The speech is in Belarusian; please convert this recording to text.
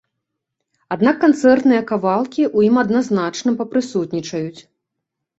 Аднак канцэртныя кавалкі ў ім адназначна папрысутнічаюць.